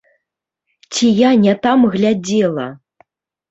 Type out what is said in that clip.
Ці я не там глядзела?